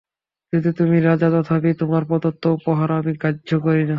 যদিও তুমি রাজা, তথাপি তোমার প্রদত্ত উপহার আমি গ্রাহ্য করি না।